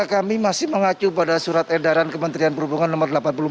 kami masih mengacu pada surat edaran kementerian perhubungan no delapan puluh empat